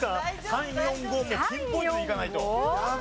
３４５もうピンポイントにいかないと。